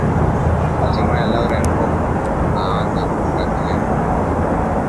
hatimae lauren bagbo aanza kufiata mkia na kutaka mazungumzo